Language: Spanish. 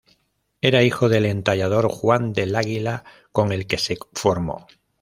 Era hijo del entallador Juan del Águila, con el que se formó.